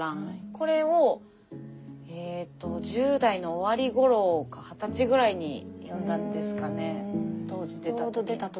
これをえっと１０代の終わりごろか二十歳ぐらいに読んだんですかね当時出た時。